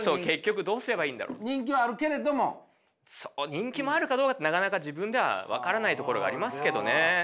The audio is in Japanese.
人気もあるかどうかなかなか自分では分からないところがありますけどね。